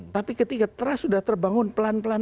tapi ketika trust sudah terbangun pelan pelan